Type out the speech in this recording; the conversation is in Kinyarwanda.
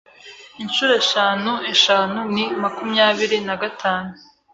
Inshuro eshanu eshanu ni makumyabiri na gatanu.